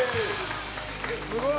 すごい